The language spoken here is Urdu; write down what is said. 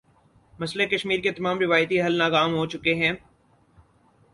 مسئلہ کشمیر کے تمام روایتی حل ناکام ہو چکے ہیں۔